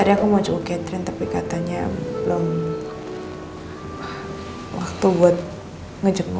tadi aku mau cek ke katrin tapi katanya belum waktu buat ngejekmu